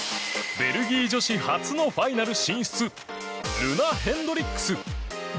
ベルギー女子初のファイナル進出ルナ・ヘンドリックス。